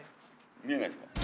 見えないすか？